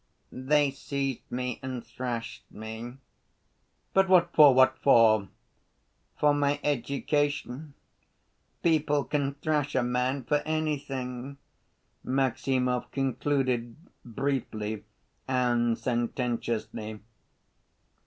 They seized me and thrashed me." "But what for? What for?" "For my education. People can thrash a man for anything," Maximov concluded, briefly and sententiously.